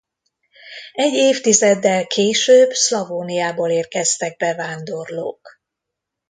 Egy évtizeddel később Szlavóniából érkeztek bevándorlók.